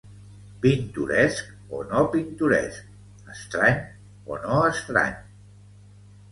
Pintoresc o no pintoresc, estrany o no estrany.